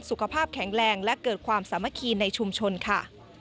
สุขภาพแข็งแรงและเกิดความสามัคคีในชุมชนค่ะ